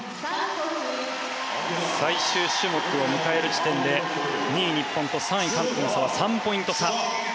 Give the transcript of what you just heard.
最終種目を迎える時点で２位の日本と３位の韓国の差は３ポイント差。